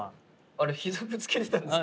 あれひざぶつけてたんですか？